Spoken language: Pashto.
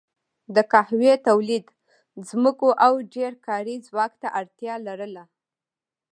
د قهوې تولید ځمکو او ډېر کاري ځواک ته اړتیا لرله.